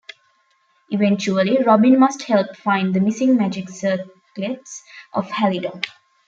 Eventually, Robin must help find the missing magic circlets of Halidom.